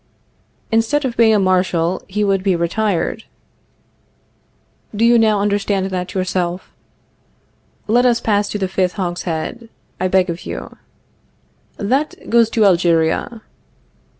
Instead of being made a Marshal, he would be retired. Do you now understand that yourself? Let us pass to the fifth hogshead, I beg of you. That goes to Algeria.